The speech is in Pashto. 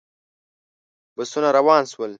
بسونه روان شول.